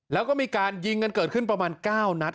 แล้วก็มีการยิงกันเกิดขึ้นประมาณ๙นัด